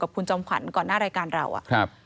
กับคุณจอมขวัญก่อนหน้ารายการเราอะ